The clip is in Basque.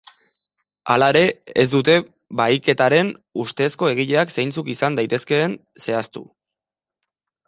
Hala ere ez dute bahiketaren ustezko egileak zeintzuk izan daitezkeen zehaztu.